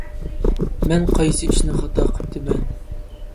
— مەن قايسى ئىشنى خاتا قىپتىمەن؟ !